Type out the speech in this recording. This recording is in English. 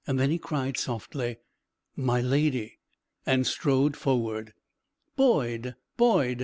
Then he cried, softly: "My Lady!" and strode forward. "Boyd! Boyd!"